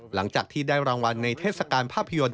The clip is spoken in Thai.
หลังจากที่ได้รางวัลในเทศกาลภาพยนตร์